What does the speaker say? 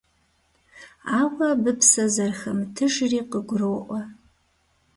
Ауэ абы псэ зэрыхэмытыжри къыгуроӀуэ.